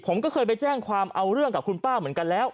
ผมก็เคยไปแจ้งความเอาเรื่องกับคุณป้าเหมือนกันแล้ว